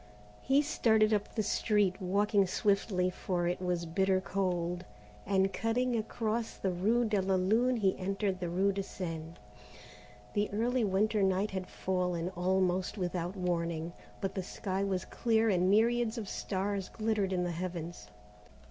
He started up the street, walking swiftly, for it was bitter cold, and cutting across the rue de la Lune he entered the rue de Seine. The early winter night had fallen, almost without warning, but the sky was clear and myriads of stars glittered in the heavens.